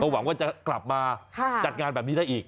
หวังว่าจะกลับมาจัดงานแบบนี้ได้อีก